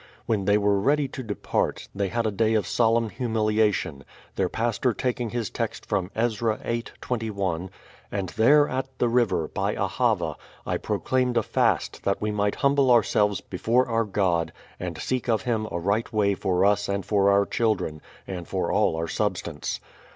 When they were ready to depart, they had a day of solemn humiliation, their pastor taking his text from Ezra viii., 21 : "And there at the river, by Ahava, I proclaimed a fast that we might humble ourselves before our God, and seek of Him a right way for us and for our children, and for all our substance."